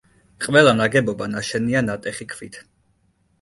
ყველა ნაგებობა ნაშენია ნატეხი ქვით.